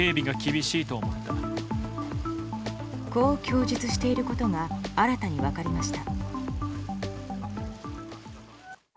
こう供述していることが新たに分かりました。